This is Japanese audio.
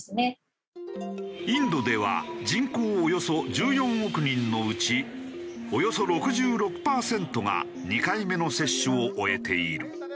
インドでは人口およそ１４億人のうちおよそ６６パーセントが２回目の接種を終えている。